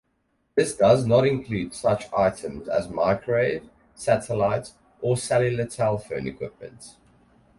This does not include such items as microwave, satellite, or cellular telephone equipment.